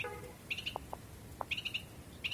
碑址现在中国吉林省集安市集安镇好太王陵东。